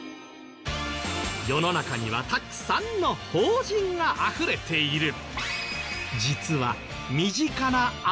世の中にはたくさんの「法人」があふれている。